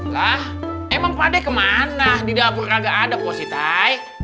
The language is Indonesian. lah emang pakde kemana di dapur kagak ada positai